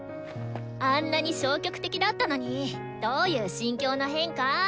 あんなに消極的だったのにどういう心境の変化？